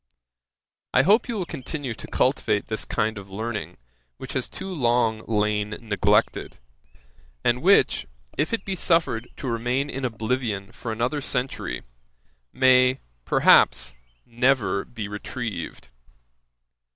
I hope you will continue to cultivate this kind of learning, which has too long lain neglected, and which, if it be suffered to remain in oblivion for another century, may, perhaps, never be retrieved.